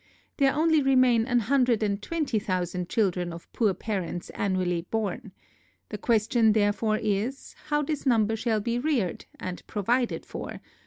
There only remain a hundred and twenty thousand children of poor parents annually born. The question therefore is, How this number shall be reared and provided for?